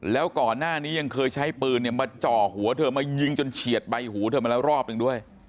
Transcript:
แล้วก่อนหน้านี้ยังเคยใช้ปืนมาจ่อหัวเธอมายิงจนเฉียดใบหูเธอมาแล้วรอบหนึ่งด้วย